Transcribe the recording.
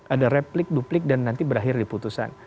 ada replik duplik dan nanti berakhir di putusan